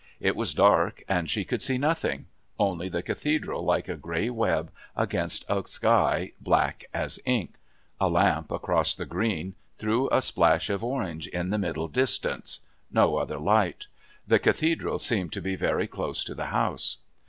It was dark and she could see nothing only the Cathedral like a grey web against a sky black as ink. A lamp, across the Green, threw a splash of orange in the middle distance no other light. The Cathedral seemed to be very close to the house.